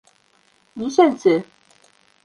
— Нисәнсе...